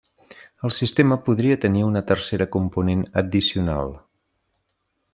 El sistema podria tenir una tercera component addicional.